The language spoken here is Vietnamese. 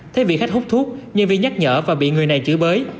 thế vì khách hút thuốc nhân viên nhắc nhở và bị người này chữa bới